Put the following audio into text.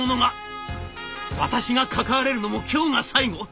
「私が関われるのも今日が最後。